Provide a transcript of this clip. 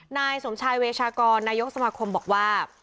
นายสมชายเวชากรนายกสมาคมบอกว่า